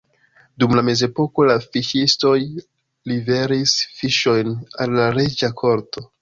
Dum la mezepoko la fiŝistoj liveris fiŝojn al la reĝa korto.